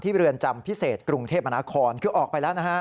เรือนจำพิเศษกรุงเทพมนาคอนคือออกไปแล้วนะฮะ